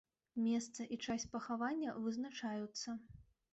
Месца і час пахавання вызначаюцца.